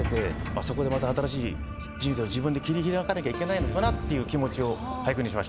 あそこでまた新しい人生を自分で切り開かなきゃいけないのかなっていう気持ちを俳句にしました。